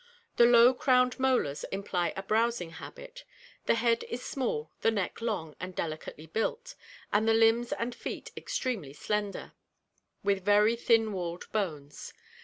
The low crowned molars imply a browsing habit. The head is small, the neck long and delicately built, and the limbs and feet extremely slender, with very thin walled bones.